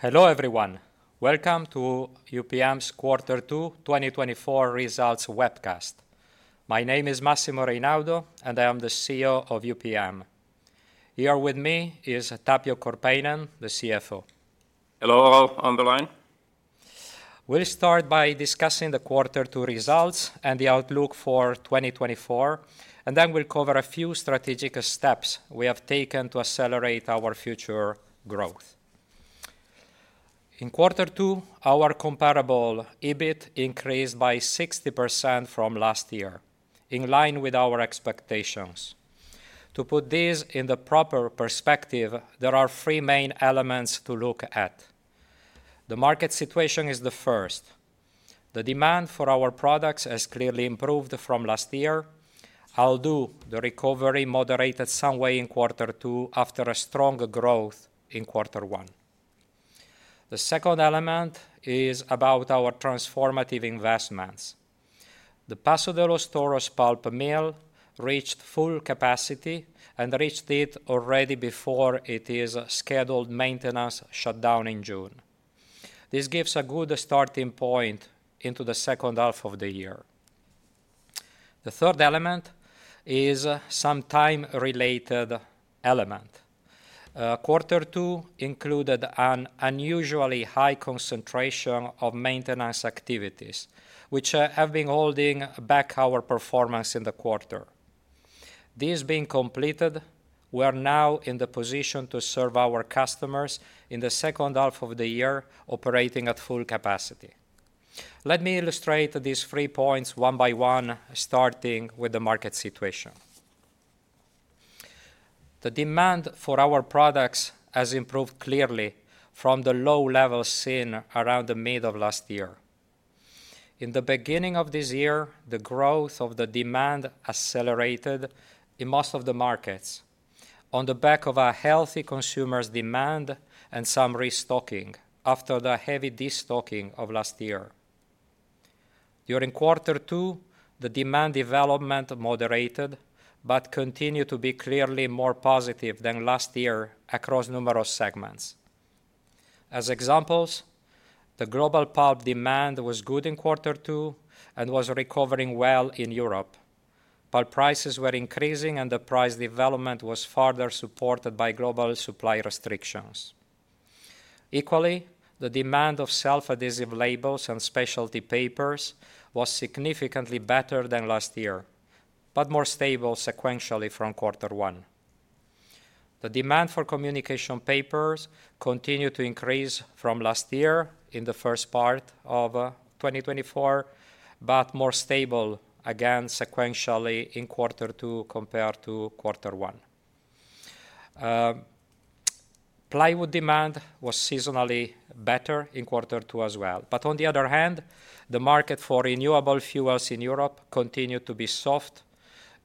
Hello, everyone. Welcome to UPM's Quarter Two 2024 Results webcast. My name is Massimo Reynaudo, and I am the CEO of UPM. Here with me is Tapio Korhonen, the CFO. Hello, all on the line. We'll start by discussing the Quarter Two results and the outlook for 2024, and then we'll cover a few strategic steps we have taken to accelerate our future growth. In Quarter Two, our comparable EBIT increased by 60% from last year, in line with our expectations. To put this in the proper perspective, there are three main elements to look at. The market situation is the first. The demand for our products has clearly improved from last year, although the recovery moderated somewhat in Quarter Two after a strong growth in Quarter One. The second element is about our transformative investments. The Paso de los Toros pulp mill reached full capacity and reached it already before its scheduled maintenance shutdown in June. This gives a good starting point into the second half of the year. The third element is some time-related element. Quarter Two included an unusually high concentration of maintenance activities, which have been holding back our performance in the quarter. This being completed, we are now in the position to serve our customers in the second half of the year, operating at full capacity. Let me illustrate these three points one by one, starting with the market situation. The demand for our products has improved clearly from the low levels seen around the mid of last year. In the beginning of this year, the growth of the demand accelerated in most of the markets on the back of a healthy consumer's demand and some restocking after the heavy destocking of last year. During Quarter Two, the demand development moderated, but continued to be clearly more positive than last year across numerous segments. As examples, the global pulp demand was good in Quarter Two and was recovering well in Europe, while prices were increasing and the price development was further supported by global supply restrictions. Equally, the demand of self-adhesive labels and specialty papers was significantly better than last year, but more stable sequentially from Quarter One. The demand for communication papers continued to increase from last year in the first part of 2024, but more stable, again, sequentially in Quarter Two compared to Quarter One. Plywood demand was seasonally better in Quarter Two as well, but on the other hand, the market for renewable fuels in Europe continued to be soft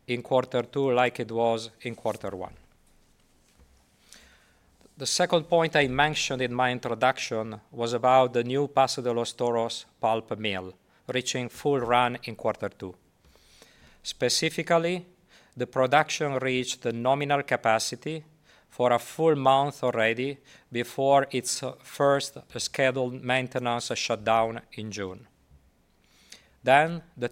in Quarter Two, like it was in Quarter One. The second point I mentioned in my introduction was about the new Paso de los Toros pulp mill, reaching full run in Quarter Two. Specifically, the production reached the nominal capacity for a full month already before its first scheduled maintenance shutdown in June. Then, the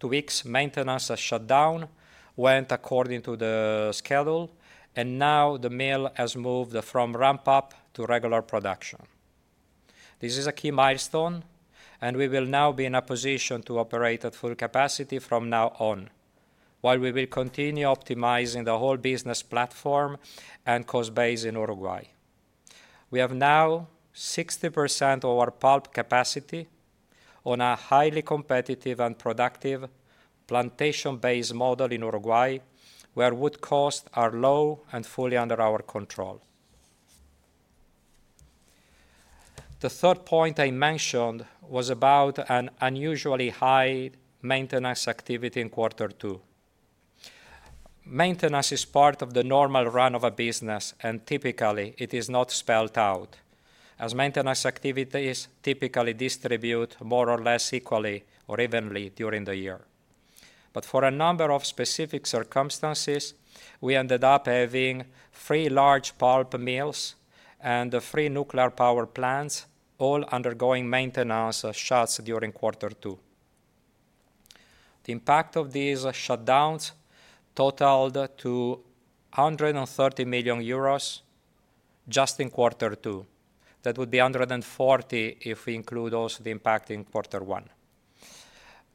two-week maintenance shutdown went according to the schedule, and now the mill has moved from ramp-up to regular production. This is a key milestone, and we will now be in a position to operate at full capacity from now on, while we will continue optimizing the whole business platform and cost base in Uruguay. We have now 60% of our pulp capacity on a highly competitive and productive plantation-based model in Uruguay, where wood costs are low and fully under our control. The third point I mentioned was about an unusually high maintenance activity in Quarter Two. Maintenance is part of the normal run of a business, and typically, it is not spelled out, as maintenance activities typically distribute more or less equally or evenly during the year. But for a number of specific circumstances, we ended up having three large pulp mills and three nuclear power plants, all undergoing maintenance shutdowns during Quarter Two. The impact of these shutdowns totaled to 130 million euros just in Quarter Two. That would be 140 million if we include also the impact in Quarter One.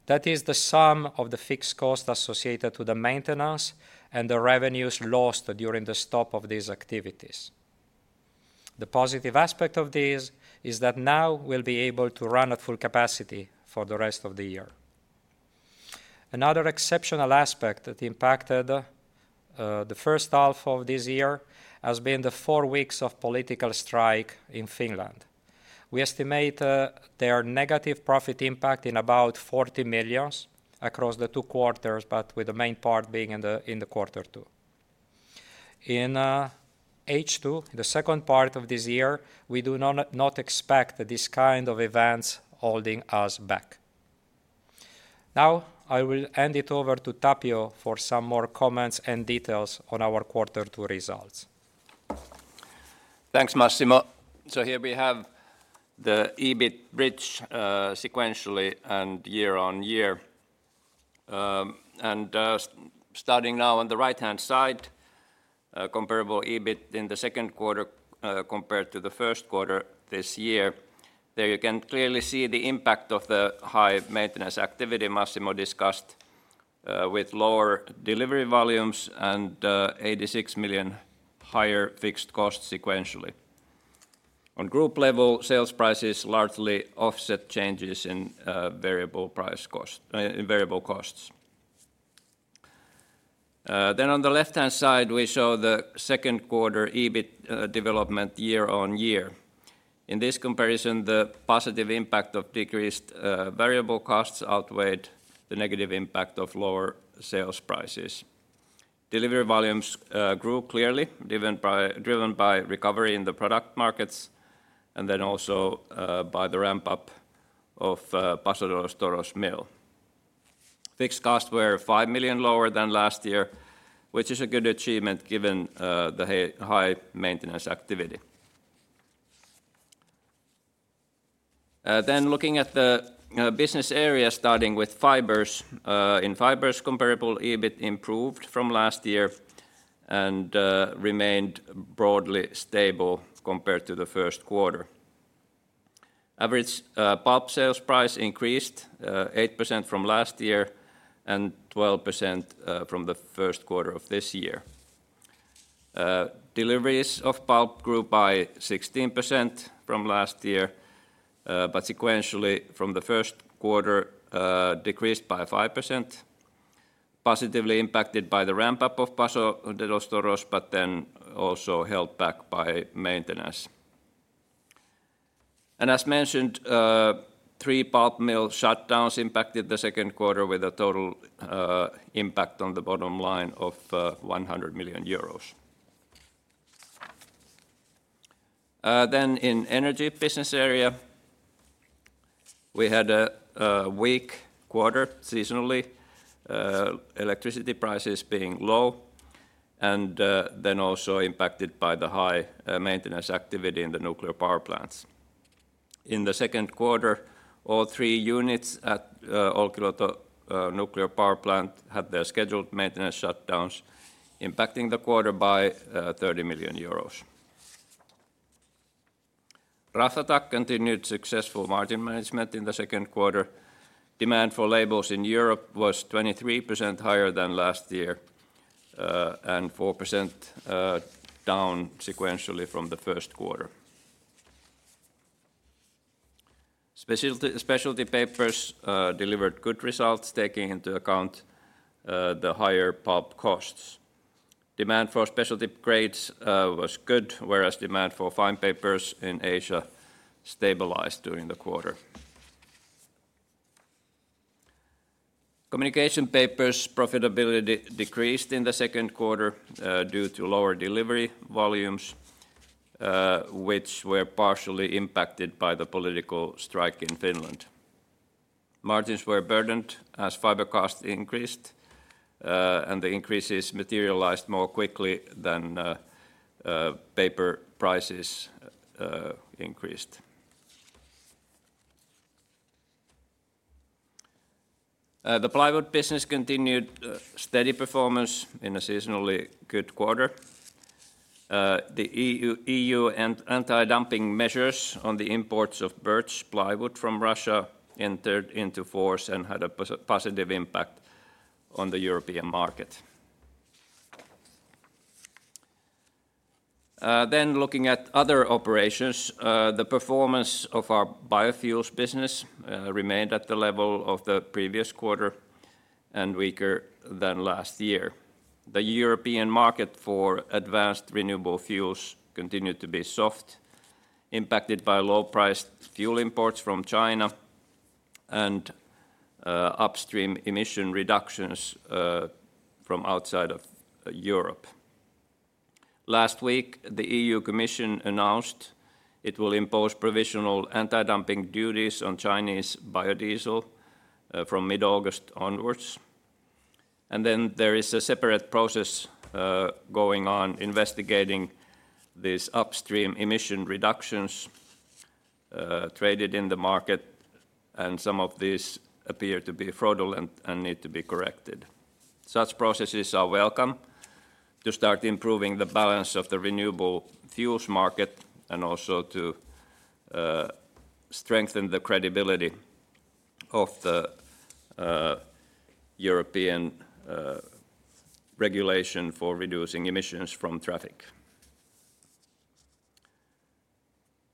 That is the sum of the fixed cost associated to the maintenance and the revenues lost during the stop of these activities. The positive aspect of this is that now we'll be able to run at full capacity for the rest of the year. Another exceptional aspect that impacted the first half of this year has been the four weeks of political strike in Finland. We estimate their negative profit impact in about 40 million across the two quarters, but with the main part being in the, in the Quarter Two. In H2, the second part of this year, we do not expect this kind of events holding us back. Now, I will hand it over to Tapio for some more comments and details on our Quarter Two results. Thanks, Massimo. So here we have the EBIT bridge, sequentially and year-on-year. And starting now on the right-hand side, comparable EBIT in the Second Quarter, compared to the First Quarter this year. There you can clearly see the impact of the high maintenance activity Massimo discussed, with lower delivery volumes and 86 million higher fixed costs sequentially. On group level, sales prices largely offset changes in variable price cost, in variable costs. Then on the left-hand side, we show the Second Quarter EBIT development year-on-year. In this comparison, the positive impact of decreased variable costs outweighed the negative impact of lower sales prices. Delivery volumes grew clearly, driven by, driven by recovery in the product markets and then also by the ramp-up of Paso de los Toros mill. Fixed costs were 5 million lower than last year, which is a good achievement given the high maintenance activity. Then looking at the business area, starting with Fibers. In Fibers, comparable EBIT improved from last year and remained broadly stable compared to the First Quarter. Average pulp sales price increased 8% from last year and 12% from the First Quarter of this year. Deliveries of pulp grew by 16% from last year, but sequentially, from the First Quarter, decreased by 5%, positively impacted by the ramp-up of Paso de los Toros, but then also held back by maintenance. And as mentioned, 3 pulp mill shutdowns impacted the Second Quarter with a total impact on the bottom line of 100 million euros. Then in Energy business area, we had a weak quarter seasonally, electricity prices being low and then also impacted by the high maintenance activity in the nuclear power plants. In the Second Quarter, all three units at Olkiluoto Nuclear Power Plant had their scheduled maintenance shutdowns, impacting the quarter by 30 million euros. Raflatac continued successful margin management in the Second Quarter. Demand for labels in Europe was 23% higher than last year and 4% down sequentially from the First Quarter. Specialty Papers delivered good results, taking into account the higher pulp costs. Demand for specialty grades was good, whereas demand for fine papers in Asia stabilized during the quarter. Communication Papers profitability decreased in the Second Quarter due to lower delivery volumes, which were partially impacted by the political strike in Finland. Margins were burdened as fiber costs increased, and the increases materialized more quickly than paper prices increased. The Plywood business continued steady performance in a seasonally good quarter. The EU anti-dumping measures on the imports of birch plywood from Russia entered into force and had a positive impact on the European market. Then looking at other operations, the performance of our Biofuels business remained at the level of the previous quarter and weaker than last year. The European market for advanced renewable fuels continued to be soft, impacted by low-priced fuel imports from China and upstream emission reductions from outside of Europe. Last week, the EU Commission announced it will impose provisional anti-dumping duties on Chinese biodiesel from mid-August onwards. And then there is a separate process going on investigating these upstream emission reductions traded in the market, and some of these appear to be fraudulent and need to be corrected. Such processes are welcome to start improving the balance of the renewable fuels market and also to strengthen the credibility of the European regulation for reducing emissions from traffic.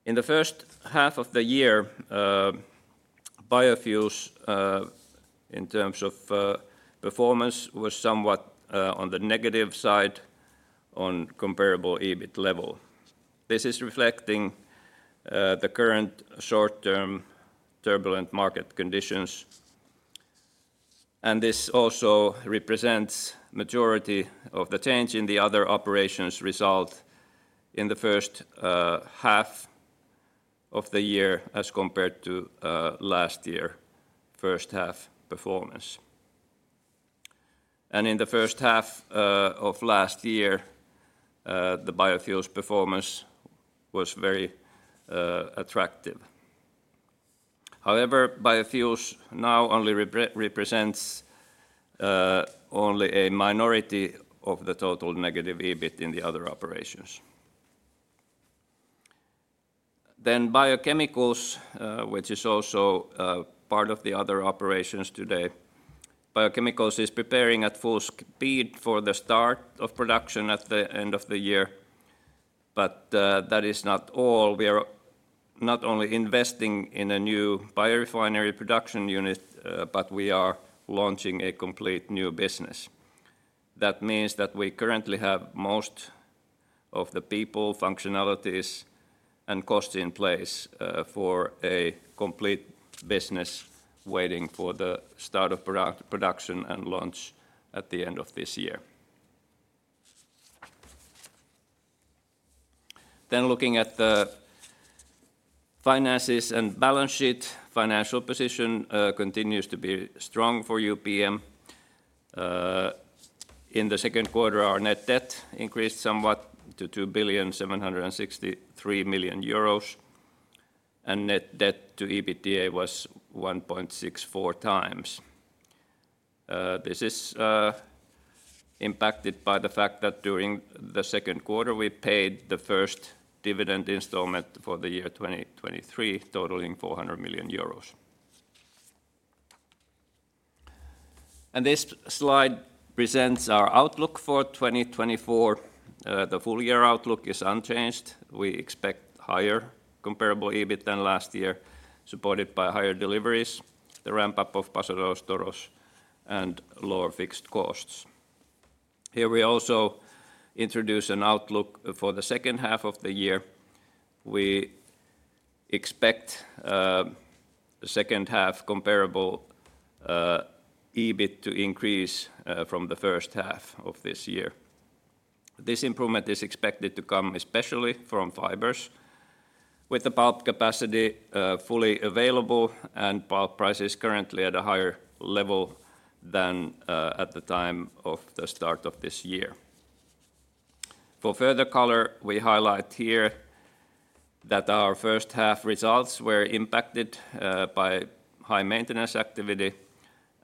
In the first half of the year, Biofuels in terms of performance was somewhat on the negative side on comparable EBIT level. This is reflecting the current short-term turbulent market conditions, and this also represents majority of the change in the other operations result in the first half of the year as compared to last year first half performance. In the first half of last year, the Biofuels performance was very attractive. However, Biofuels now only represents only a minority of the total negative EBIT in the other operations. Biochemicals, which is also part of the other operations today. Biochemicals is preparing at full speed for the start of production at the end of the year, but that is not all. We are not only investing in a new biorefinery production unit, but we are launching a complete new business. That means that we currently have most of the people, functionalities, and cost in place for a complete business waiting for the start of production and launch at the end of this year. Looking at the finances and balance sheet, financial position continues to be strong for UPM. In the Second Quarter, our net debt increased somewhat to 2,763 million euros, and net debt to EBITDA was 1.64 times. This is impacted by the fact that during the Second Quarter, we paid the first dividend installment for the year 2023, totaling 400 million euros. This slide presents our outlook for 2024. The full-year outlook is unchanged. We expect higher comparable EBIT than last year, supported by higher deliveries, the ramp-up of Paso de los Toros, and lower fixed costs. Here we also introduce an outlook for the second half of the year. We expect the second half comparable EBIT to increase from the first half of this year. This improvement is expected to come especially from Fibers, with the pulp capacity fully available and pulp prices currently at a higher level than at the time of the start of this year. For further color, we highlight here that our first half results were impacted by high maintenance activity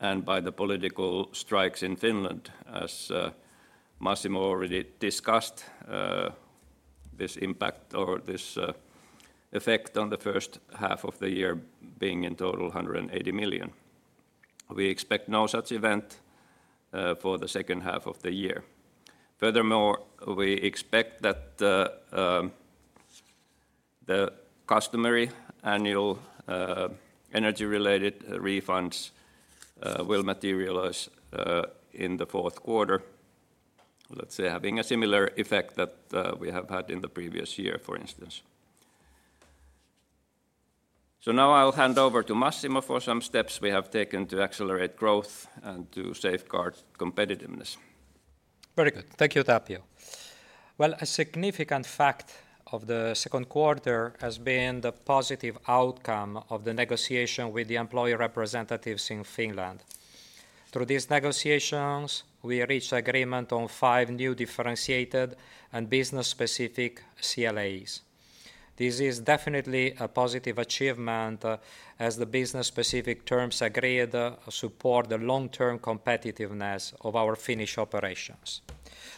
and by the political strikes in Finland. As Massimo already discussed, this impact or this effect on the first half of the year being in total 180 million. We expect no such event for the second half of the year. Furthermore, we expect that the customary annual Energy-related refunds will materialize in the fourth quarter, let's say, having a similar effect that we have had in the previous year, for instance. Now I'll hand over to Massimo for some steps we have taken to accelerate growth and to safeguard competitiveness. Very good. Thank you, Tapio. Well, a significant fact of the Second Quarter has been the positive outcome of the negotiation with the employee representatives in Finland. Through these negotiations, we reached agreement on five new differentiated and business-specific CLAs. This is definitely a positive achievement, as the business-specific terms agreed support the long-term competitiveness of our Finnish operations.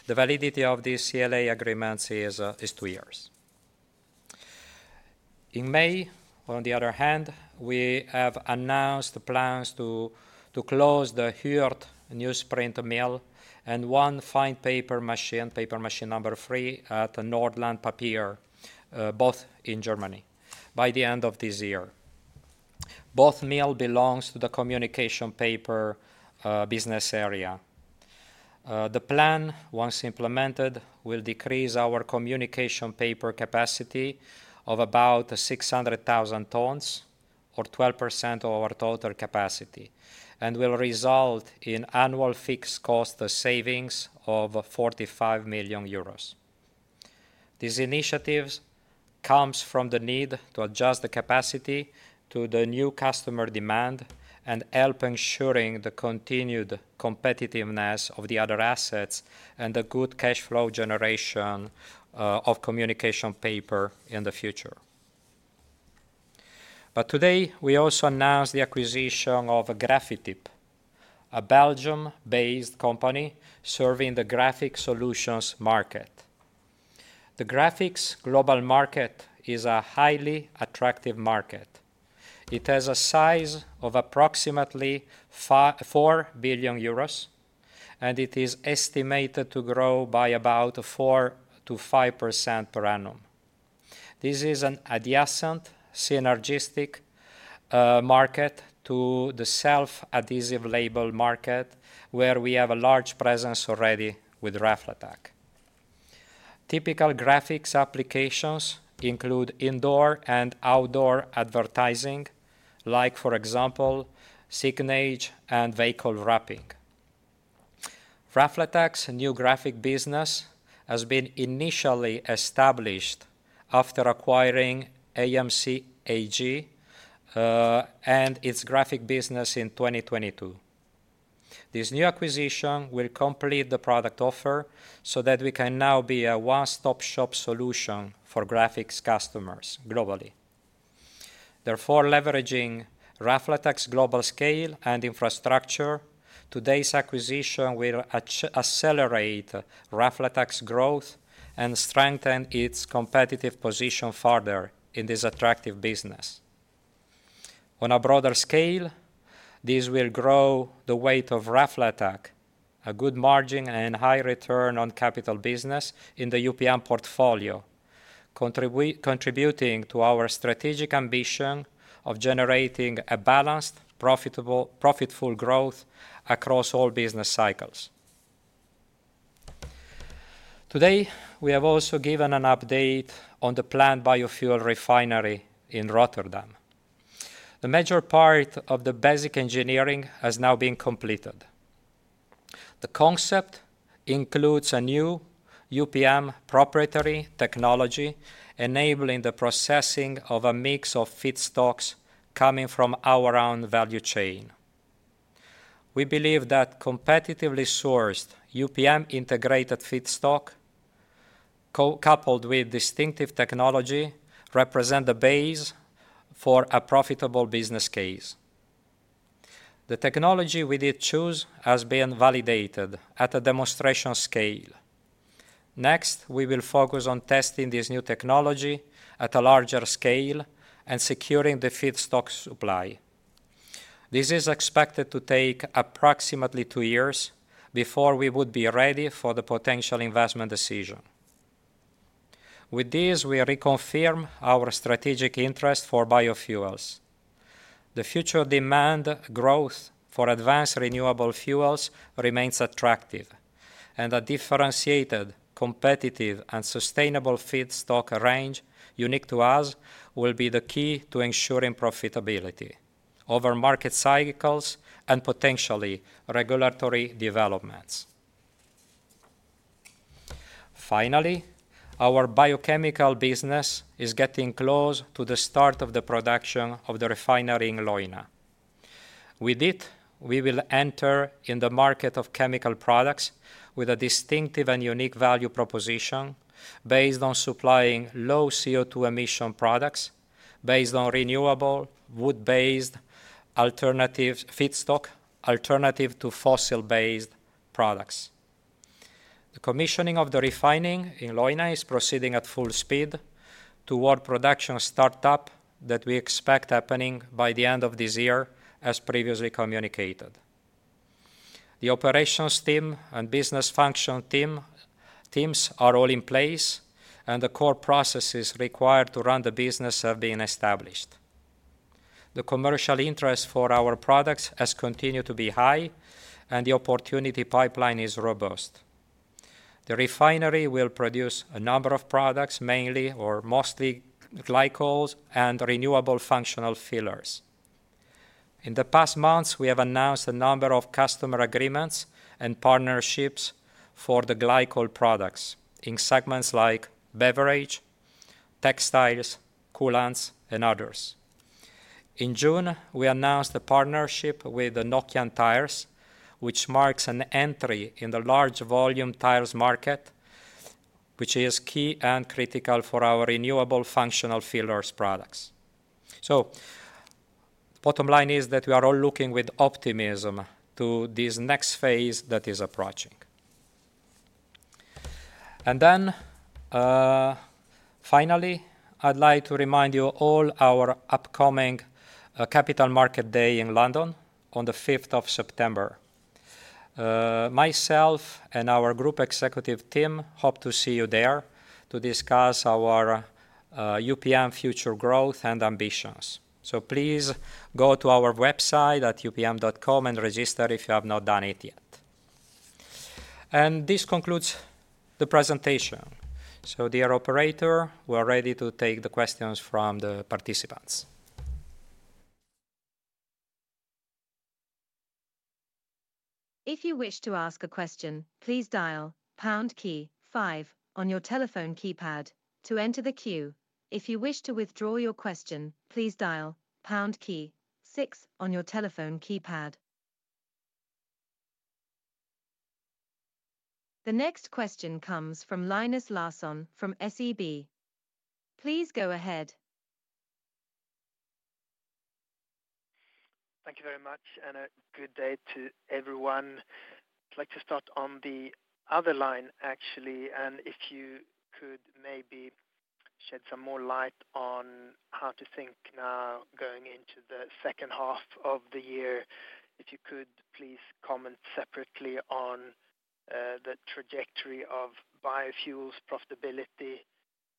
The validity of these CLA agreements is two years. In May, on the other hand, we have announced plans to close the Hürth newsprint mill and one fine paper machine, paper machine number three, at Nordland Papier, both in Germany, by the end of this year. Both mill belongs to the Communication Paper business area. The plan, once implemented, will decrease our communication paper capacity of about 600,000 tons, or 12% of our total capacity, and will result in annual fixed cost savings of 45 million euros. These initiatives comes from the need to adjust the capacity to the new customer demand and help ensuring the continued competitiveness of the other assets and the good cash flow generation, of communication paper in the future. But today, we also announced the acquisition of Grafityp, a Belgium-based company serving the graphic solutions market. The graphics global market is a highly attractive market. It has a size of approximately four billion euros, and it is estimated to grow by about 4%-5% per annum. This is an adjacent, synergistic, market to the self-adhesive label market, where we have a large presence already with Raflatac. Typical graphics applications include indoor and outdoor advertising, like for example, signage and vehicle wrapping. Raflatac's new graphic business has been initially established after acquiring AMC AG and its graphic business in 2022. This new acquisition will complete the product offer so that we can now be a one-stop shop solution for graphics customers globally. Therefore, leveraging Raflatac global scale and infrastructure, today's acquisition will accelerate Raflatac growth and strengthen its competitive position further in this attractive business. On a broader scale, this will grow the weight of Raflatac, a good margin and high return on capital business in the UPM portfolio. Contributing to our strategic ambition of generating a balanced, profitable, profitful growth across all business cycles. Today, we have also given an update on the planned biofuel refinery in Rotterdam. The major part of the basic engineering has now been completed. The concept includes a new UPM proprietary technology, enabling the processing of a mix of feedstocks coming from our own value chain. We believe that competitively sourced UPM integrated feedstock, co-coupled with distinctive technology, represent the base for a profitable business case. The technology we did choose has been validated at a demonstration scale. Next, we will focus on testing this new technology at a larger scale and securing the feedstock supply. This is expected to take approximately two years before we would be ready for the potential investment decision. With this, we reconfirm our strategic interest for Biofuels. The future demand growth for advanced renewable fuels remains attractive, and a differentiated, competitive, and sustainable feedstock range unique to us will be the key to ensuring profitability over market cycles and potentially regulatory developments. Finally, our biochemical business is getting close to the start of the production of the refinery in Leuna. With it, we will enter in the market of chemical products with a distinctive and unique value proposition based on supplying low CO2 emission products, based on renewable, wood-based, alternative feedstock, alternative to fossil-based products. The commissioning of the refining in Leuna is proceeding at full speed toward production startup that we expect happening by the end of this year, as previously communicated. The operations team and business function team, teams are all in place, and the core processes required to run the business have been established. The commercial interest for our products has continued to be high, and the opportunity pipeline is robust. The refinery will produce a number of products, mainly or mostly glycols and renewable functional fillers. In the past months, we have announced a number of customer agreements and partnerships for the glycol products in segments like beverage, textiles, coolants, and others. In June, we announced a partnership with the Nokian Tyres, which marks an entry in the large volume tires market, which is key and critical for our renewable functional fillers products. So bottom line is that we are all looking with optimism to this next phase that is approaching. And then, finally, I'd like to remind you all our upcoming Capital Markets Day in London on the fifth of September. Myself and our group executive team hope to see you there to discuss our UPM future growth and ambitions. So please go to our website at upm.com and register if you have not done it yet. And this concludes the presentation. Dear operator, we are ready to take the questions from the participants. If you wish to ask a question, please dial pound key five on your telephone keypad to enter the queue. If you wish to withdraw your question, please dial pound key six on your telephone keypad. The next question comes from Linus Larsson from SEB. Please go ahead. Thank you very much, and a good day to everyone. I'd like to start on the other line, actually, and if you could maybe shed some more light on how to think now going into the second half of the year. If you could please comment separately on the trajectory of Biofuels profitability,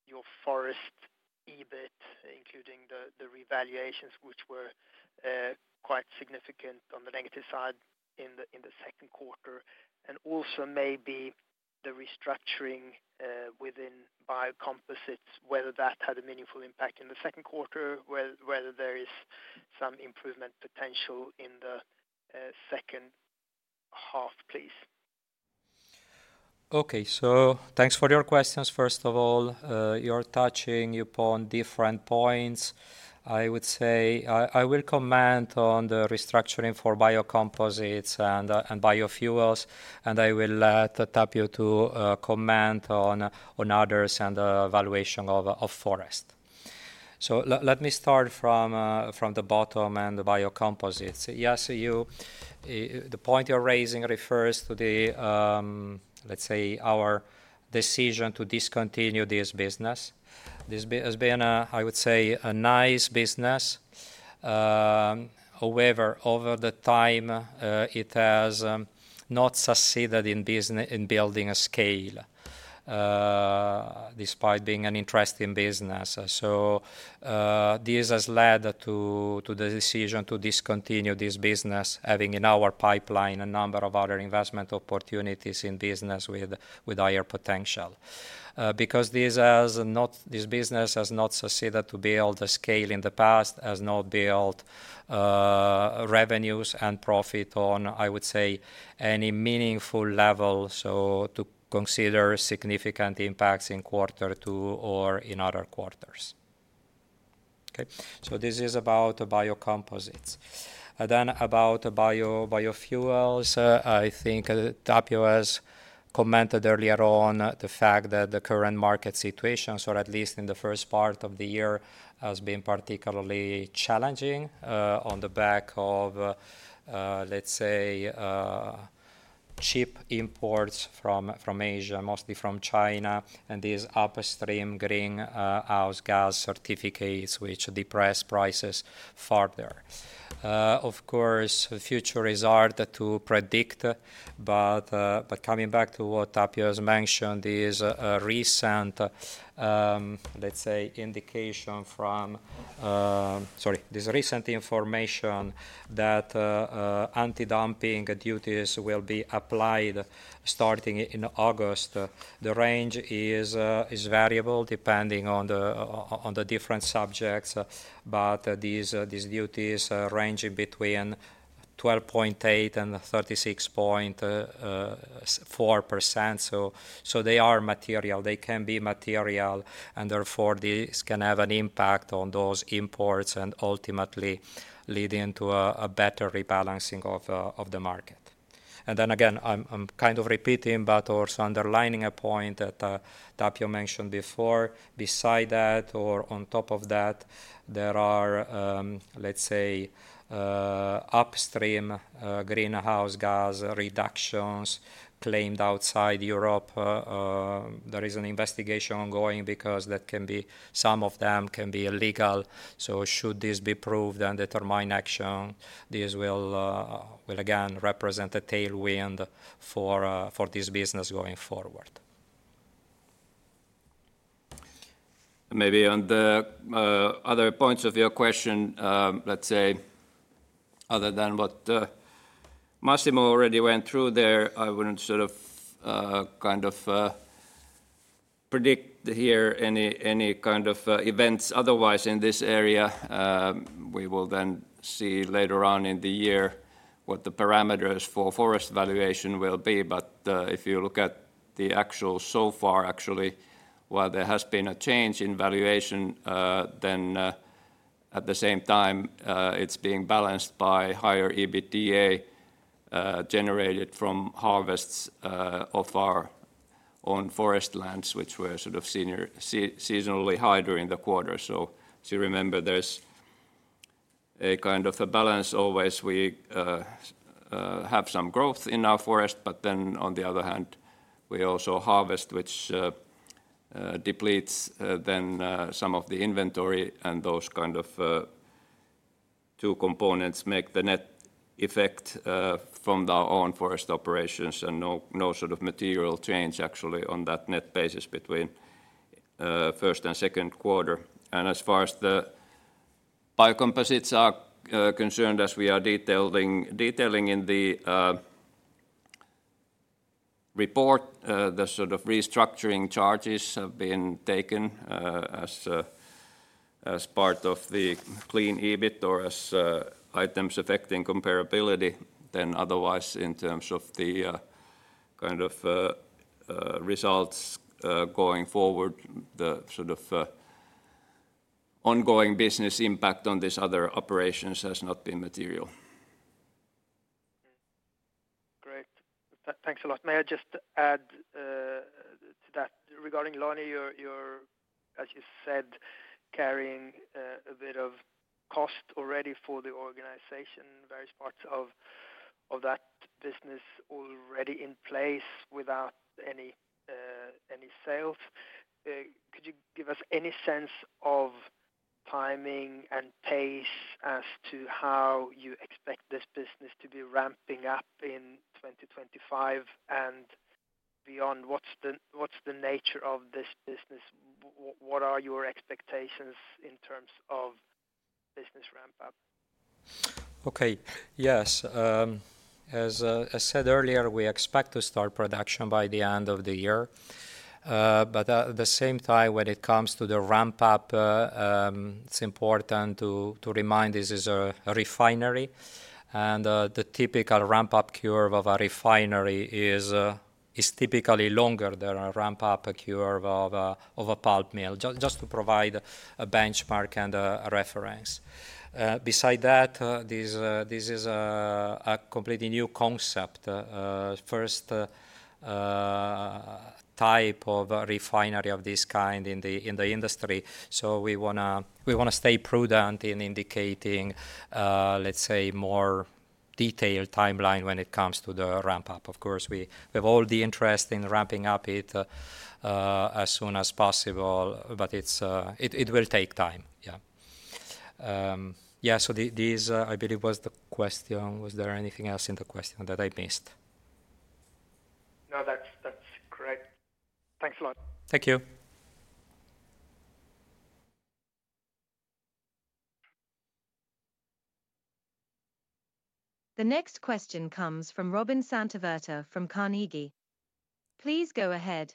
your forest EBIT, including the revaluations, which were quite significant on the negative side in the Second Quarter, and also maybe the restructuring within Biocomposites, whether that had a meaningful impact in the Second Quarter, whether there is some improvement potential in the second half, please? Okay. So thanks for your questions. First of all, you're touching upon different points. I would say, I will comment on the restructuring for Biocomposites and Biofuels, and I will let Tapio to comment on others and valuation of forest. So let me start from the bottom and the Biocomposites. Yes, you, the point you're raising refers to the, let's say, our decision to discontinue this business. This has been a, I would say, a nice business. However, over the time, it has not succeeded in building a scale, despite being an interesting business. So, this has led to the decision to discontinue this business, having in our pipeline a number of other investment opportunities in business with higher potential. Because this business has not succeeded to build a scale in the past, has not built revenues and profit on, I would say, any meaningful level, so to consider significant impacts in Quarter Two or in other quarters. Okay, so this is about Biocomposites. Then about Biofuels, I think Tapio has commented earlier on the fact that the current market situations, or at least in the first part of the year, has been particularly challenging, on the back of, let's say, cheap imports from Asia, mostly from China, and these upstream greenhouse gas certificates, which depress prices further. Of course, the future is hard to predict, but coming back to what Tapio has mentioned, is a recent, let's say, indication from... Sorry, this recent information that anti-dumping duties will be applied starting in August. The range is variable depending on the different subjects, but these duties are ranging between 12.8% and 36.4%. So they are material. They can be material, and therefore this can have an impact on those imports and ultimately leading to a better rebalancing of the market. And then again, I'm kind of repeating, but also underlining a point that Tapio mentioned before. Beside that or on top of that, there are, let's say, upstream greenhouse gas reductions claimed outside Europe. There is an investigation ongoing because that can be some of them can be illegal. Should this be proved and determine action, this will, will again represent a tailwind for, for this business going forward. Maybe on the other points of your question, let's say, other than what Massimo already went through there, I wouldn't sort of kind of predict here any kind of events otherwise in this area. We will then see later on in the year what the parameters for forest valuation will be. But if you look at the actual so far, actually, while there has been a change in valuation, then at the same time, it's being balanced by higher EBITDA generated from harvests of our own forest lands, which were sort of seasonally higher during the quarter. So as you remember, there's a kind of a balance. Always, we have some growth in our forest, but then on the other hand, we also harvest, which depletes then some of the inventory, and those kind of two components make the net effect from our own forest operations, and no sort of material change actually on that net basis between first and Second Quarter. And as far as the Biocomposites are concerned, as we are detailing in the report, the sort of restructuring charges have been taken as as part of the clean EBIT or as items affecting comparability than otherwise in terms of the kind of results going forward, the sort of ongoing business impact on these other operations has not been material. Great. Thanks a lot. May I just add to that? Regarding Leuna, you're, as you said, carrying a bit of cost already for the organization, various parts of that business already in place without any sales. Could you give us any sense of timing and pace as to how you expect this business to be ramping up in 2025 and beyond? What's the nature of this business? What are your expectations in terms of business ramp-up?... Okay. Yes, as I said earlier, we expect to start production by the end of the year. But at the same time, when it comes to the ramp up, it's important to remind this is a refinery, and the typical ramp-up curve of a refinery is typically longer than a ramp-up curve of a pulp mill. Just to provide a benchmark and a reference. Beside that, this is a completely new concept, first type of refinery of this kind in the industry. So we wanna stay prudent in indicating, let's say, more detailed timeline when it comes to the ramp-up. Of course, we have all the interest in ramping up it as soon as possible, but it will take time. Yeah. Yeah, so this, I believe, was the question. Was there anything else in the question that I missed? No, that's, that's correct. Thanks a lot. Thank you. The next question comes from Robin Santavirta from Carnegie. Please go ahead.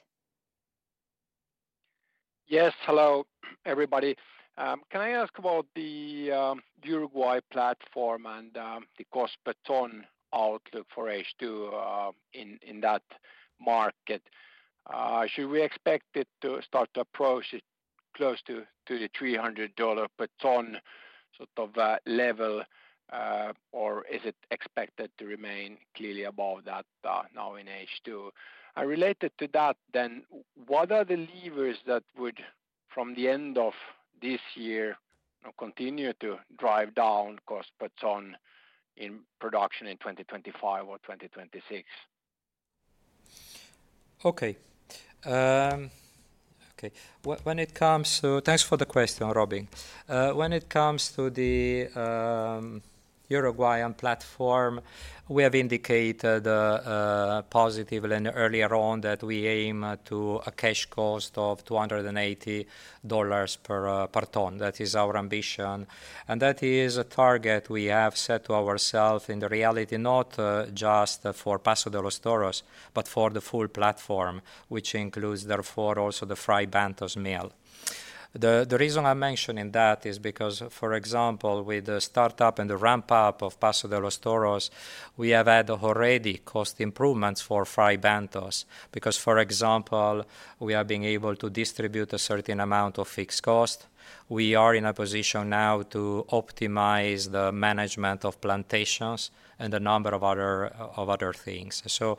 Yes. Hello, everybody. Can I ask about the Uruguay platform and the cost per ton outlook for H2 in that market? Should we expect it to start to approach it close to to the $300 per ton sort of level or is it expected to remain clearly above that now in H2? And related to that then, what are the levers that would from the end of this year, you know, continue to drive down cost per ton in production in 2025 or 2026? Okay. Okay. When it comes to... Thanks for the question, Robin. When it comes to the Uruguayan platform, we have indicated positively earlier on that we aim to a cash cost of $280 per ton. That is our ambition, and that is a target we have set to ourself in the reality, not just for Paso de los Toros, but for the full platform, which includes therefore also the Fray Bentos mill. The reason I'm mentioning that is because, for example, with the startup and the ramp-up of Paso de los Toros, we have had already cost improvements for Fray Bentos. Because, for example, we are being able to distribute a certain amount of fixed cost. We are in a position now to optimize the management of plantations and a number of other things. So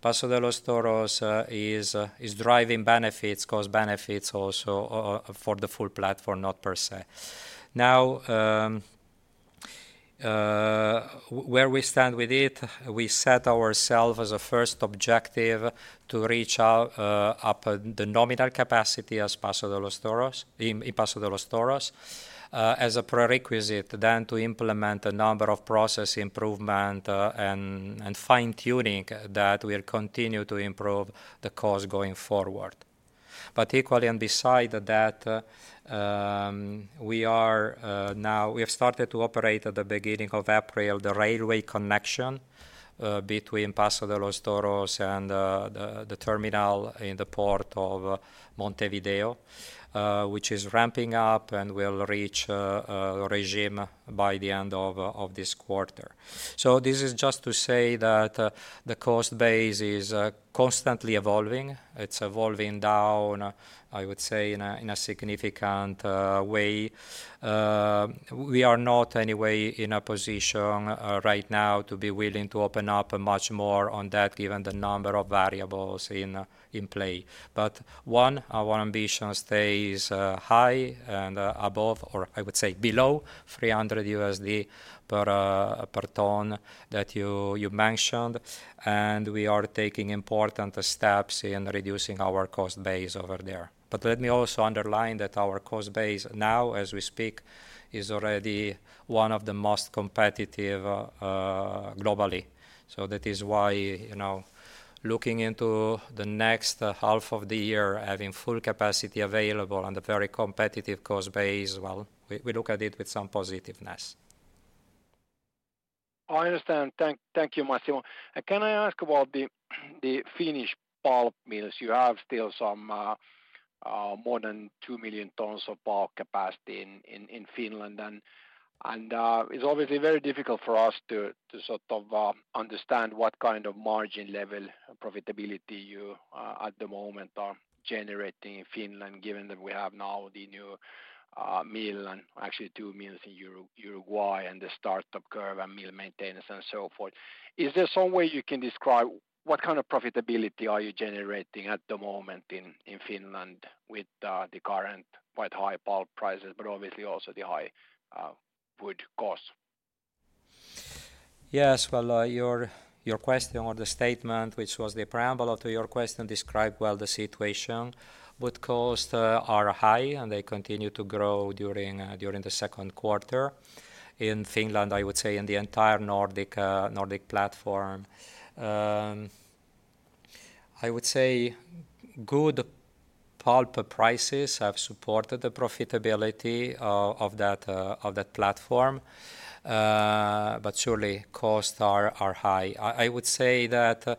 Paso de los Toros is driving benefits, cost benefits also for the full platform, not per se. Now, where we stand with it, we set ourselves as a first objective to reach up to the nominal capacity of Paso de los Toros in Paso de los Toros as a prerequisite then to implement a number of process improvements and fine-tuning that will continue to improve the cost going forward. But equally, and besides that, we have now started to operate at the beginning of April the railway connection between Paso de los Toros and the terminal in the port of Montevideo, which is ramping up and will reach a regime by the end of this quarter. So this is just to say that the cost base is constantly evolving. It's evolving down, I would say, in a significant way. We are not in any way in a position right now to be willing to open up much more on that, given the number of variables in play. But our ambition stays high and above, or I would say below $300 per ton that you mentioned, and we are taking important steps in reducing our cost base over there. But let me also underline that our cost base now, as we speak, is already one of the most competitive globally. So that is why, you know, looking into the next half of the year, having full capacity available and a very competitive cost base, well, we look at it with some positiveness. I understand. Thank you, Massimo. Can I ask about the Finnish pulp mills? You have still some more than 2 million tons of pulp capacity in Finland, and it's obviously very difficult for us to sort of understand what kind of margin level profitability you at the moment are generating in Finland, given that we have now the new mill and actually two mills in Uruguay, and the startup curve and mill maintenance and so forth. Is there some way you can describe what kind of profitability are you generating at the moment in Finland with the current quite high pulp prices, but obviously also the high wood cost? Yes. Well, your question or the statement, which was the preamble to your question, described well the situation. Wood costs are high, and they continue to grow during the Second Quarter. In Finland, I would say in the entire Nordic platform, I would say good pulp prices have supported the profitability of that platform. But surely costs are high. I would say that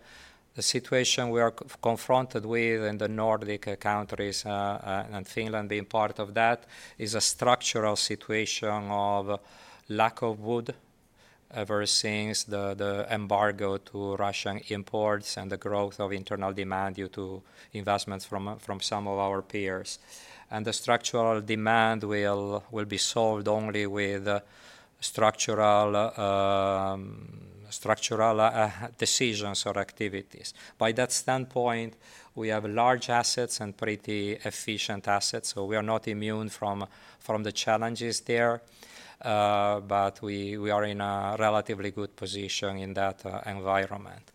the situation we are confronted with in the Nordic countries, and Finland being part of that, is a structural situation of lack of wood, ever since the embargo to Russian imports and the growth of internal demand due to investments from some of our peers. And the structural demand will be solved only with structural decisions or activities. By that standpoint, we have large assets and pretty efficient assets, so we are not immune from the challenges there. But we are in a relatively good position in that environment.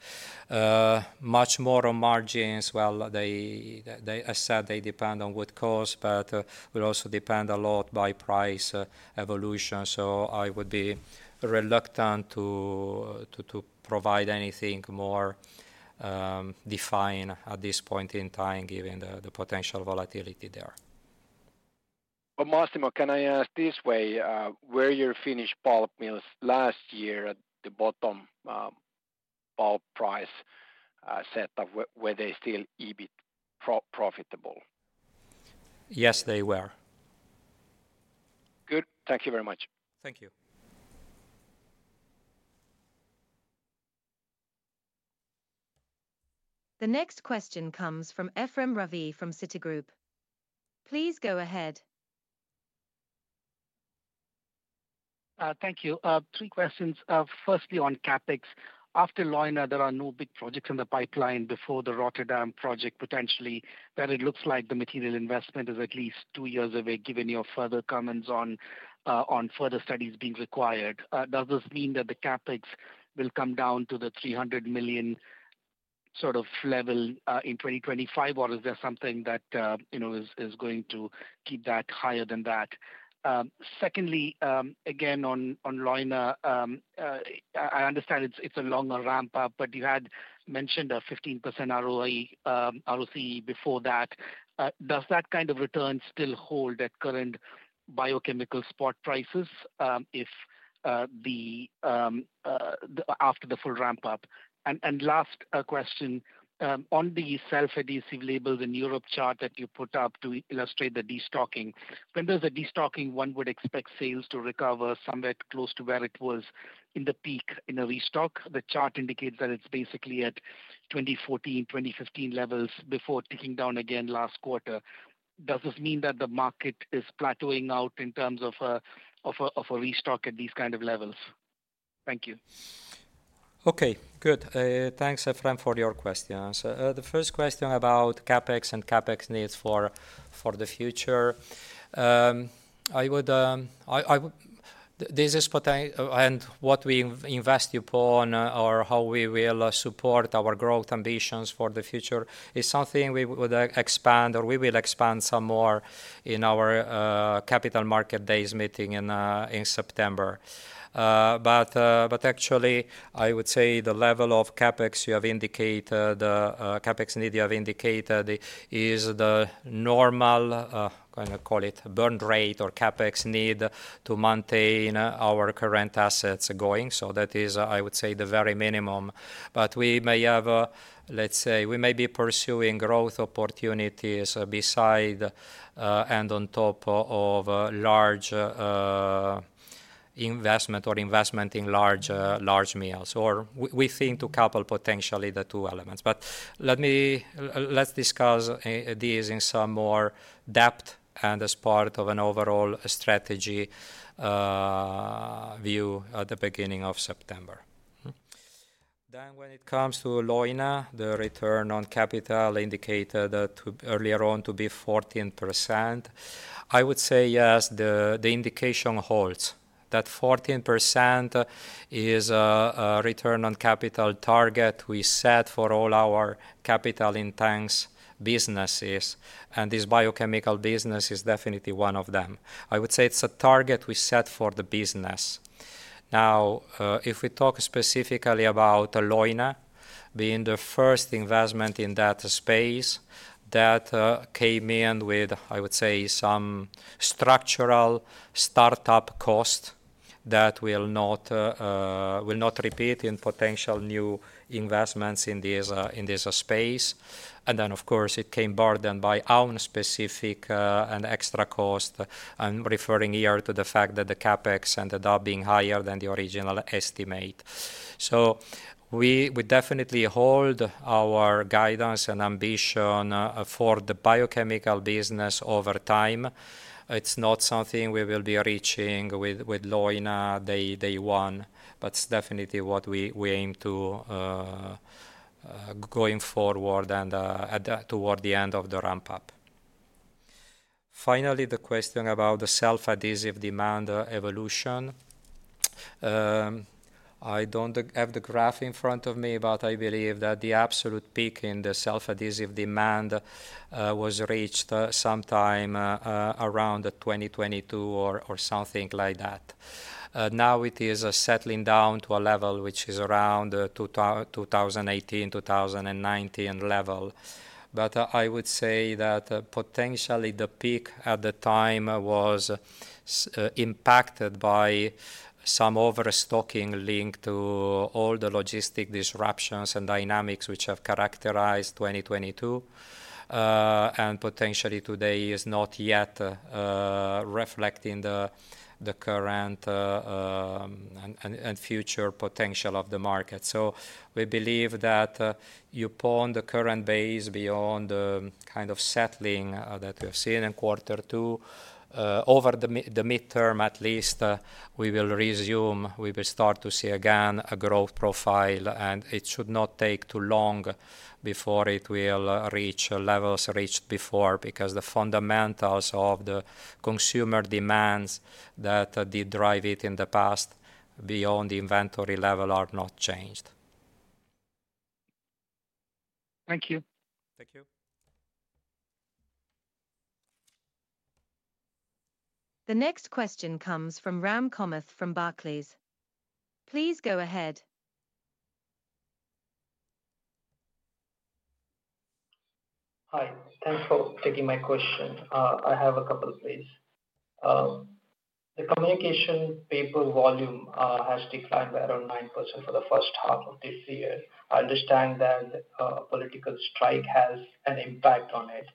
Well, much more on margins, I said they depend on wood cost, but will also depend a lot by price evolution. So I would be reluctant to provide anything more defined at this point in time, given the potential volatility there. Massimo, can I ask this way, were your Finnish pulp mills last year at the bottom pulp price setup, were they still EBIT profitable? Yes, they were. Good. Thank you very much. Thank you. The next question comes from Ephrem Ravi from Citigroup. Please go ahead. Thank you. Three questions. Firstly, on CapEx. After Leuna, there are no big projects in the pipeline before the Rotterdam project, potentially, that it looks like the material investment is at least two years away, given your further comments on further studies being required. Does this mean that the CapEx will come down to the 300 million sort of level in 2025, or is there something that, you know, is going to keep that higher than that? Secondly, again, on Leuna, I understand it's a longer ramp up, but you had mentioned a 15% ROE, ROC before that. Does that kind of return still hold at current biochemical spot prices, if after the full ramp up? Last question, on the self-adhesive labels in Europe chart that you put up to illustrate the destocking. When there's a destocking, one would expect sales to recover somewhere close to where it was in the peak in a restock. The chart indicates that it's basically at 2014, 2015 levels before ticking down again last quarter. Does this mean that the market is plateauing out in terms of a restock at these kind of levels? Thank you. Okay, good. Thanks, Ephrem, for your questions. The first question about CapEx and CapEx needs for the future. I would. This is what I and what we invest upon or how we will support our growth ambitions for the future is something we would expand, or we will expand some more in our capital market days meeting in September. But actually, I would say the level of CapEx you have indicated, CapEx need you have indicated is the normal gonna call it burn rate or CapEx need to maintain our current assets going. So that is, I would say, the very minimum. But we may have, let's say, we may be pursuing growth opportunities beside, and on top of large investment or investment in large, large mills, or we, we think to couple potentially the two elements. But let me, let's discuss these in some more depth and as part of an overall strategy view at the beginning of September. Mm-hmm. Then when it comes to Leuna, the return on capital indicated earlier on to be 14%. I would say, yes, the indication holds, that 14% is a return on capital target we set for all our capital-intensive businesses, and this biochemical business is definitely one of them. I would say it's a target we set for the business. Now, if we talk specifically about Leuna being the first investment in that space, that came in with, I would say, some structural startup cost that will not repeat in potential new investments in this, in this space. And then, of course, it came burdened by our own specific, and extra cost. I'm referring here to the fact that the CapEx ended up being higher than the original estimate. So we definitely hold our guidance and ambition for the biochemical business over time. It's not something we will be reaching with Leuna day one, but it's definitely what we aim to going forward and toward the end of the ramp-up. Finally, the question about the self-adhesive demand evolution. I don't have the graph in front of me, but I believe that the absolute peak in the self-adhesive demand was reached sometime around 2022 or something like that. Now it is settling down to a level which is around 2018, 2019 level. But I would say that potentially the peak at the time was impacted by some overstocking linked to all the logistic disruptions and dynamics which have characterized 2022. And potentially today is not yet reflecting the current and future potential of the market. So we believe that, upon the current base, beyond the kind of settling, that we have seen in Quarter Two, over the midterm at least, we will resume, we will start to see again a growth profile, and it should not take too long before it will reach levels reached before. Because the fundamentals of the consumer demands that did drive it in the past beyond the inventory level are not changed. Thank you. Thank you. The next question comes from Ram Kamath from Barclays. Please go ahead. Hi. Thanks for taking my question. I have a couple, please. The Communication Paper volume has declined by around 9% for the first half of this year. I understand that political strike has an impact on it.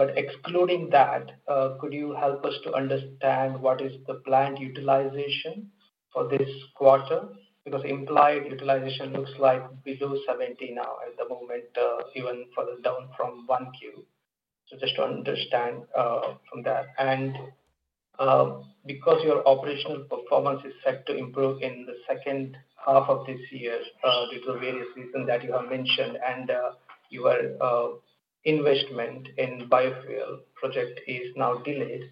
But excluding that, could you help us to understand what is the plant utilization for this quarter? Because implied utilization looks like below 70 now at the moment, even further down from 1Q. So just to understand from that. And because your operational performance is set to improve in the second half of this year due to various reasons that you have mentioned, and your investment in biofuel project is now delayed,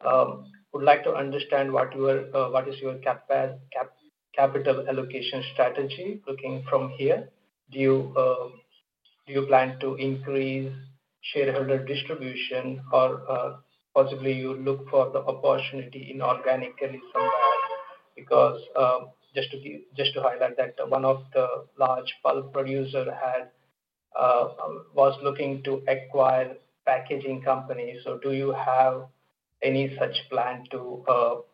I would like to understand what is your capital allocation strategy looking from here? Do you plan to increase shareholder distribution or possibly you look for the opportunity inorganically somehow? Because just to highlight that one of the large pulp producer was looking to acquire packaging company. So do you have any such plan to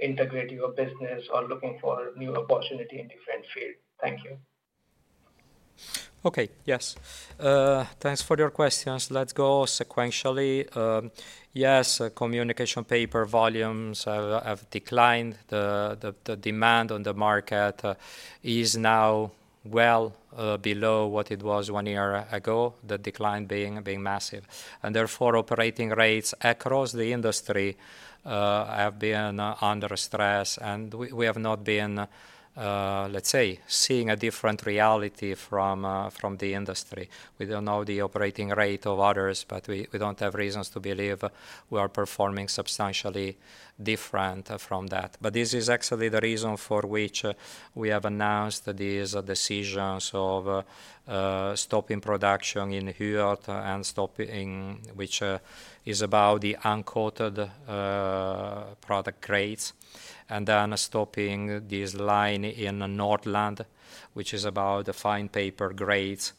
integrate your business or looking for new opportunity in different field? Thank you. Okay. Yes, thanks for your questions. Let's go sequentially. Yes, communication paper volumes have declined. The demand on the market is now well below what it was one year ago, the decline being massive. And therefore, operating rates across the industry have been under stress, and we have not been, let's say, seeing a different reality from the industry. We don't know the operating rate of others, but we don't have reasons to believe we are performing substantially different from that. But this is actually the reason for which we have announced these decisions of stopping production in Hürth and stopping, which is about the uncoated product grades, and then stopping this line in Nordland, which is about the fine paper grades.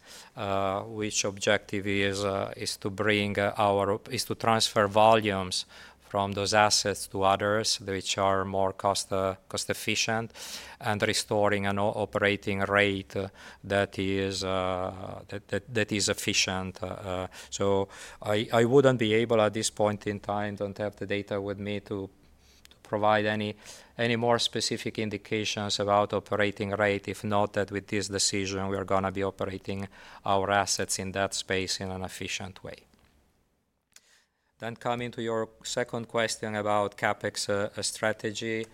Which objective is to transfer volumes from those assets to others, which are more cost efficient, and restoring an operating rate that is efficient. So I wouldn't be able at this point in time, don't have the data with me to provide any more specific indications about operating rate, if not that with this decision, we are gonna be operating our assets in that space in an efficient way. Then coming to your second question about CapEx strategy.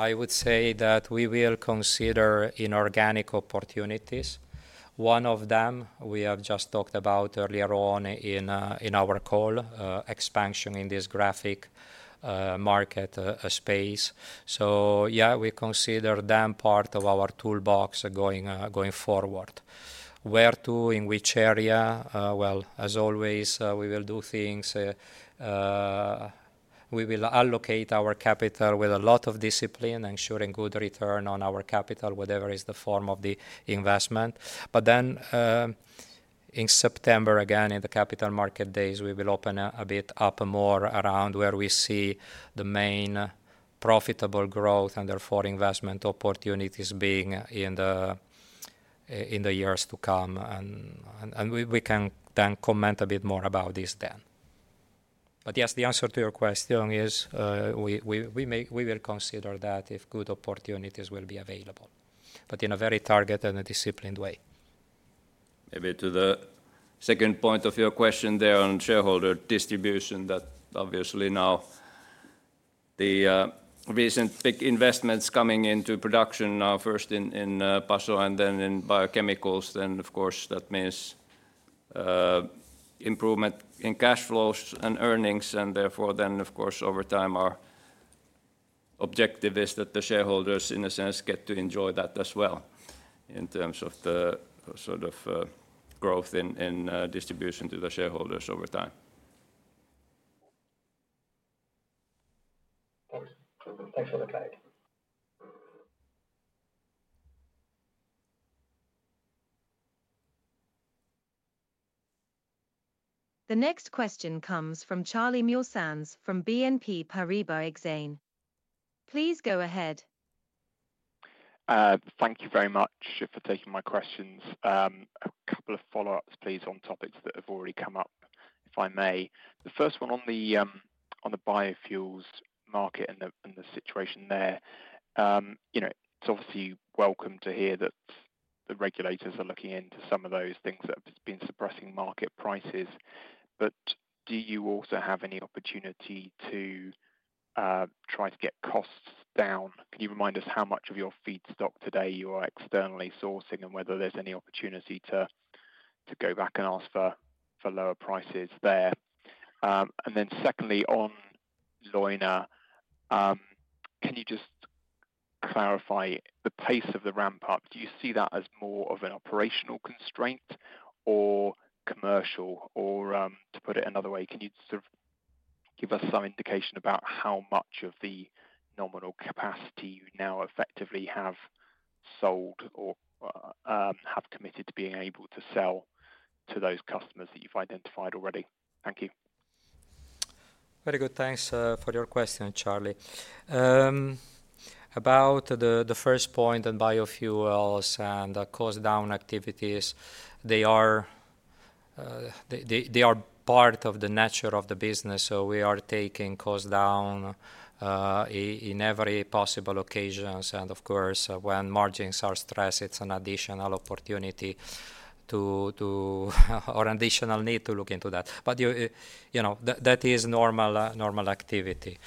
I would say that we will consider inorganic opportunities. One of them we have just talked about earlier on in our call, expansion in this graphic market space. So yeah, we consider them part of our toolbox going forward. Where to, in which area? Well, as always, we will do things. We will allocate our capital with a lot of discipline, ensuring good return on our capital, whatever is the form of the investment. But then, in September, again, in the capital market days, we will open a bit up more around where we see the main profitable growth and therefore investment opportunities being in the years to come, and we can then comment a bit more about this then. But yes, the answer to your question is, we may—we will consider that if good opportunities will be available, but in a very targeted and a disciplined way. Maybe to the second point of your question there on shareholder distribution, that obviously now the recent big investments coming into production, first in Paso and then in biochemicals, then of course, that means improvement in cash flows and earnings, and therefore, then, of course, over time, our objective is that the shareholders, in a sense, get to enjoy that as well, in terms of the sort of growth in distribution to the shareholders over time. Thanks. Thanks for the clarity. The next question comes from Charlie Muir‑Sandsfrom BNP Paribas Exane. Please go ahead. Thank you very much for taking my questions. A couple of follow-ups, please, on topics that have already come up, if I may. The first one on the Biofuels market and the situation there. You know, it's obviously welcome to hear that the regulators are looking into some of those things that have been suppressing market prices. But do you also have any opportunity to try to get costs down? Can you remind us how much of your feedstock today you are externally sourcing, and whether there's any opportunity to go back and ask for lower prices there? And then secondly, on Leuna, can you just clarify the pace of the ramp-up? Do you see that as more of an operational constraint or commercial? Or, to put it another way, can you sort of give us some indication about how much of the nominal capacity you now effectively have sold or, have committed to being able to sell to those customers that you've identified already? Thank you. Very good. Thanks for your question, Charlie. About the first point on Biofuels and cost down activities, they are part of the nature of the business. So we are taking costs down in every possible occasions, and of course, when margins are stressed, it's an additional opportunity to or additional need to look into that. But you know that is normal activity.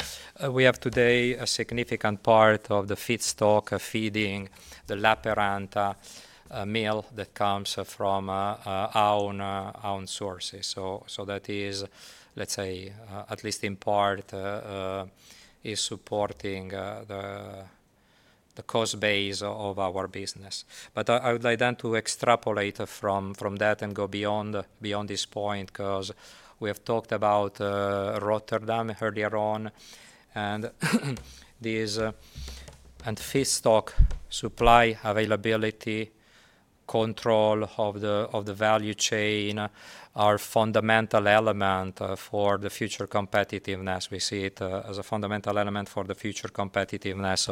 We have today a significant part of the feedstock feeding the Lappeenranta mill that comes from our own sources. So that is, let's say, at least in part, is supporting the cost base of our business. But I would like then to extrapolate from that and go beyond this point, 'cause we have talked about Rotterdam earlier on, and these... And feedstock supply availability, control of the value chain are fundamental element for the future competitiveness. We see it as a fundamental element for the future competitiveness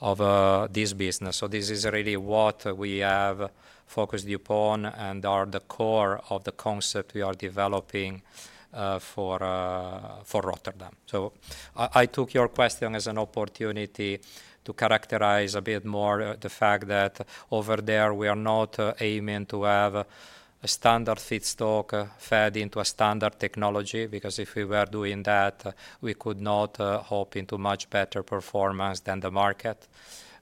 of this business. So this is really what we have focused upon and are the core of the concept we are developing for Rotterdam. So I took your question as an opportunity to characterize a bit more the fact that over there, we are not aiming to have a standard feedstock fed into a standard technology, because if we were doing that, we could not hope into much better performance than the market,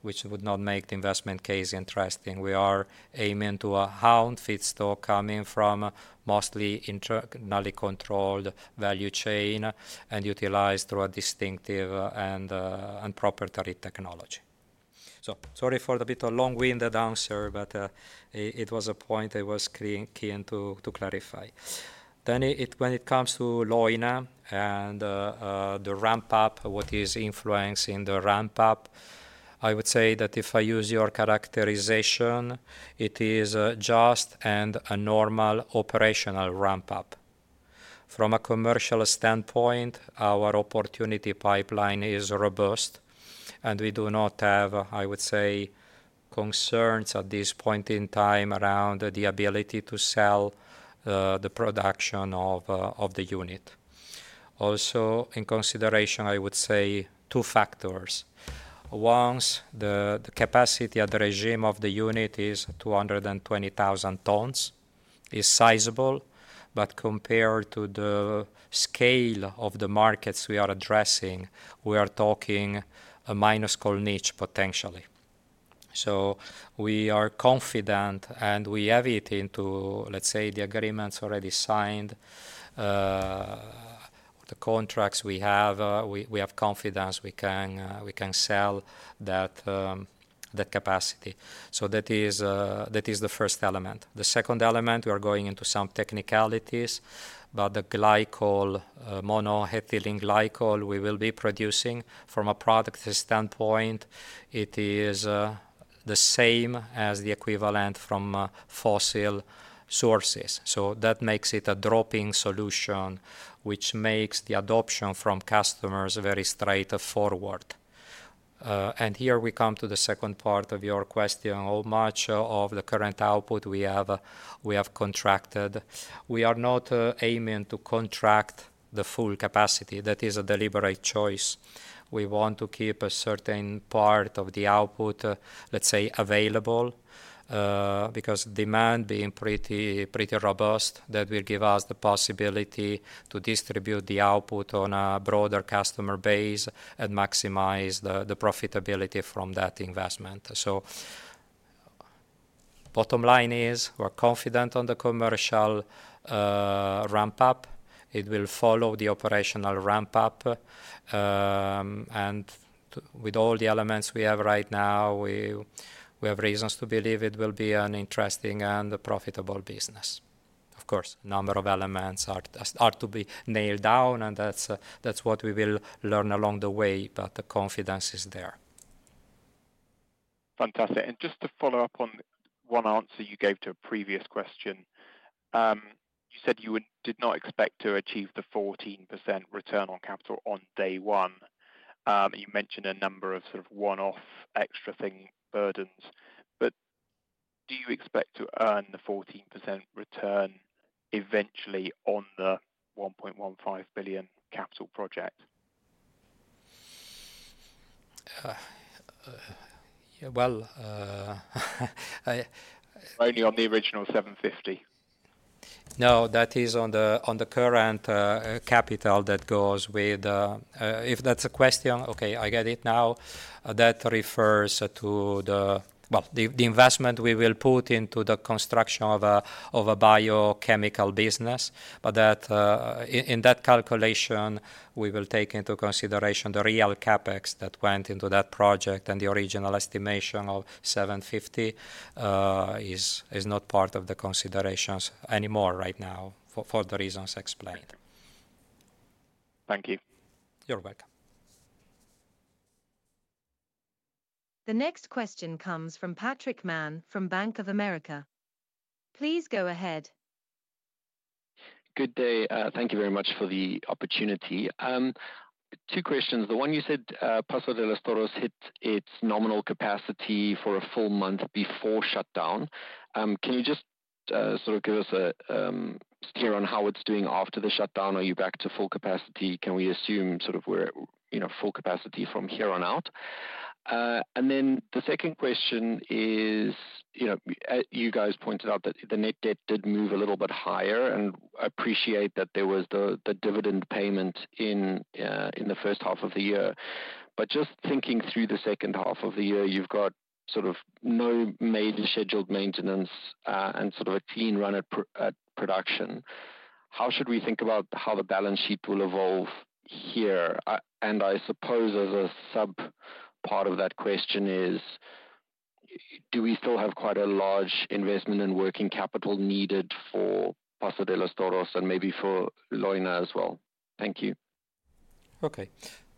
which would not make the investment case interesting. We are aiming to our own feedstock coming from mostly internally controlled value chain and utilized through a distinctive and proprietary technology. So sorry for the bit of long-winded answer, but it was a point I was keen to clarify. Then when it comes to Leuna and the ramp-up, what is influencing the ramp-up, I would say that if I use your characterization, it is a just and a normal operational ramp-up. From a commercial standpoint, our opportunity pipeline is robust, and we do not have, I would say, concerns at this point in time around the ability to sell the production of the unit. Also, in consideration, I would say two factors. The capacity at the regime of the unit is 220,000 tons, sizable, but compared to the scale of the markets we are addressing, we are talking a minuscule niche, potentially. So we are confident, and we have it into, let's say, the agreements already signed, the contracts we have, we have confidence we can sell that capacity. So that is the first element. The second element, we are going into some technicalities, but the glycol, monoethylene glycol, we will be producing. From a product standpoint, it is the same as the equivalent from fossil sources. So that makes it a drop-in solution, which makes the adoption from customers very straightforward. And here we come to the second part of your question: How much of the current output we have, we have contracted? We are not aiming to contract the full capacity. That is a deliberate choice. We want to keep a certain part of the output, let's say, available, because demand being pretty, pretty robust, that will give us the possibility to distribute the output on a broader customer base and maximize the profitability from that investment. So, bottom line is, we're confident on the commercial ramp up. It will follow the operational ramp up. With all the elements we have right now, we have reasons to believe it will be an interesting and a profitable business. Of course, number of elements are to be nailed down, and that's, that's what we will learn along the way, but the confidence is there. Fantastic. Just to follow up on one answer you gave to a previous question. You said you did not expect to achieve the 14% return on capital on day one. You mentioned a number of sort of one-off extra thing burdens, but do you expect to earn the 14% return eventually on the 1.15 billion capital project? Yeah, well, Only on the original 750. No, that is on the, on the current, capital that goes with. If that's a question, okay, I get it now. That refers to the... Well, the investment we will put into the construction of a biochemical business. But that, in that calculation, we will take into consideration the real CapEx that went into that project, and the original estimation of 750 million is not part of the considerations anymore right now, for the reasons explained. Thank you. You're welcome. The next question comes from Patrick Mann from Bank of America. Please go ahead. Good day. Thank you very much for the opportunity. Two questions. The one you said, Paso de los Toros hit its nominal capacity for a full month before shutdown. Can you just sort of give us a steer on how it's doing after the shutdown? Are you back to full capacity? Can we assume sort of we're, you know, full capacity from here on out? And then the second question is, you know, you guys pointed out that the net debt did move a little bit higher, and I appreciate that there was the, the dividend payment in in the first half of the year. But just thinking through the second half of the year, you've got sort of no major scheduled maintenance, and sort of a clean run at production. How should we think about how the balance sheet will evolve here? I suppose as a subpart of that question is: Do we still have quite a large investment in working capital needed for Paso de los Toros and maybe for Leuna as well? Thank you. Okay,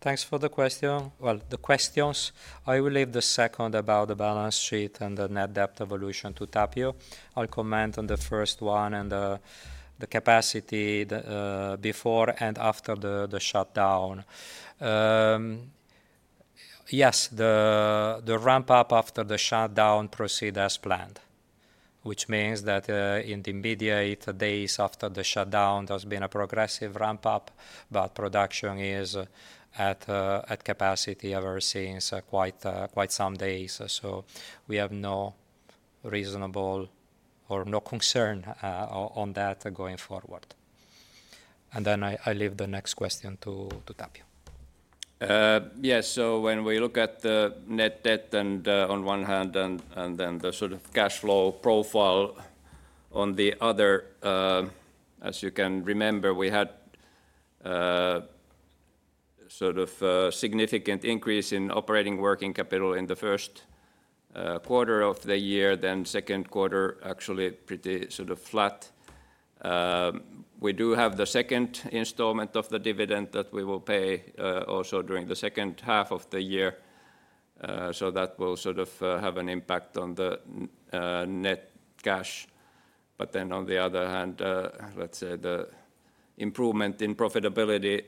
thanks for the question. Well, the questions. I will leave the second about the balance sheet and the net debt evolution to Tapio. I'll comment on the first one and the capacity before and after the shutdown. Yes, the ramp-up after the shutdown proceed as planned, which means that in the immediate days after the shutdown, there's been a progressive ramp-up, but production is at capacity ever since quite some days. So we have no reasonable or no concern on that going forward. And then I leave the next question to Tapio. Yes. So when we look at the net debt and, on one hand and, and then the sort of cash flow profile on the other, as you can remember, we had, sort of a significant increase in operating working capital in the First Quarter of the year, then Second Quarter, actually pretty sort of flat. We do have the second installment of the dividend that we will pay, also during the second half of the year. So that will sort of have an impact on the net cash. But then on the other hand, let's say the improvement in profitability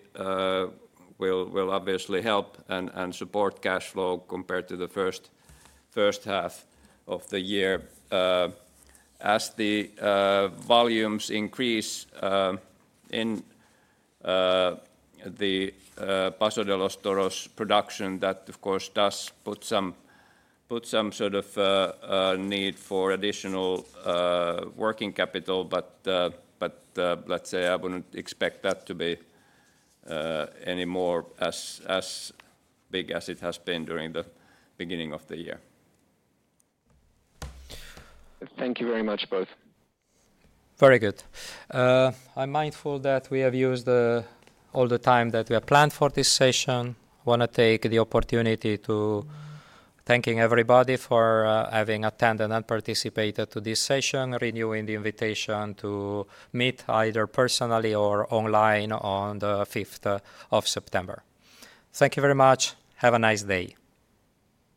will, will obviously help and, and support cash flow compared to the first, first half of the year. As the volumes increase in the Paso de los Toros production, that of course does put some sort of need for additional working capital. But let's say I wouldn't expect that to be any more as big as it has been during the beginning of the year. Thank you very much, both. Very good. I'm mindful that we have used all the time that we have planned for this session. Want to take the opportunity to thanking everybody for having attended and participated to this session, renewing the invitation to meet either personally or online on the fifth of September. Thank you very much. Have a nice day.